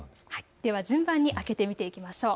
では順番に開けて見ていきましょう。